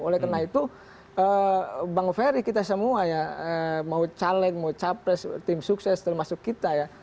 oleh karena itu bang ferry kita semua ya mau caleg mau capres tim sukses termasuk kita ya